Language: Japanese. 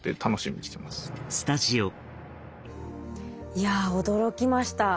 いや驚きました。